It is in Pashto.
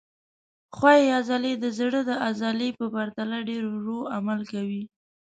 ښویې عضلې د زړه د عضلې په پرتله ډېر ورو عمل کوي.